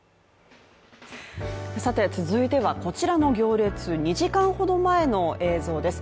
続いてはこちらの行列２時間ほど前の映像です。